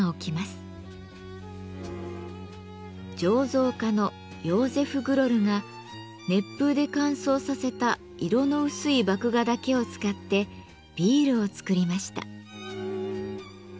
醸造家のヨーゼフ・グロルが熱風で乾燥させた色の薄い麦芽だけを使ってビールをつくりました。